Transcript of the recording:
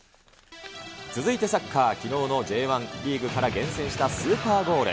続いてサッカー、きのうのＪ１リーグから厳選したスーパーゴール。